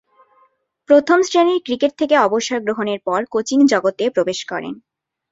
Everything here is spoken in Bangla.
প্রথম-শ্রেণীর ক্রিকেট থেকে অবসর গ্রহণের পর কোচিং জগতে প্রবেশ করেন।